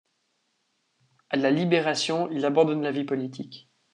À la Libération il abandonne la vie politique.